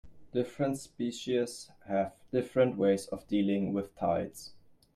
Different species have different ways of dealing with tides.